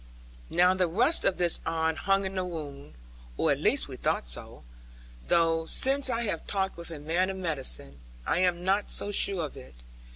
Now the rust of this iron hung in the wound, or at least we thought so; though since I have talked with a man of medicine, I am not so sure of it.